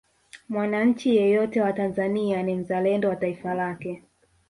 mwanachi yeyote wa tanzania ni mzalendo wa taifa lake